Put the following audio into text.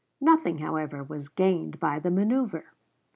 Nothing, however, was gained by the manoeuvre.